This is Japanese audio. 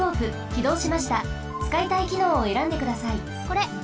これ！